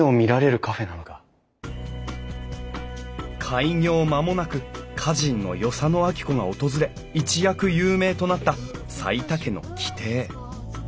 開業間もなく歌人の与謝野晶子が訪れ一躍有名となった齋田家の旗亭。